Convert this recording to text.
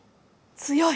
強い！